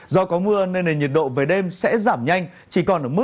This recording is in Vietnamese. do có mưa nên nền nhiệt độ về đêm sẽ giảm nhanh